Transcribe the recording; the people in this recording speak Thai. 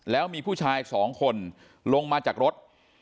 แล้วมีผู้ชายสองคนลงมาจากรถ